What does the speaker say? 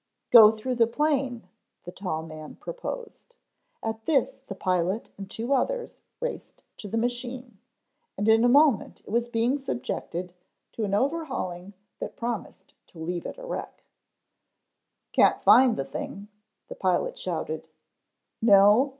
"Go through the plane," the tall man proposed. At this the pilot and two others raced to the machine, and in a moment it was being subjected to an overhauling that promised to leave it a wreck. "Can't find the thing," the pilot shouted. "No?"